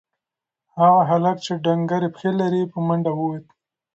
هغه هلک چې ډنگرې پښې لري په منډه ووت.